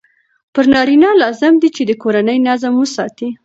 پر نارینه لازم دی چې د کورني نظم وساتي.